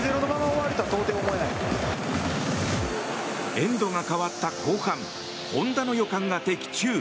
エンドが変わった後半本田の予感が的中。